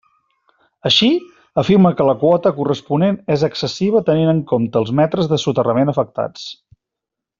Així, afirma que la quota corresponent és excessiva tenint en compte els metres de soterrament afectats.